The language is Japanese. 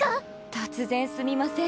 突然すみません。